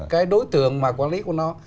cái đối tượng mà quản lý của nó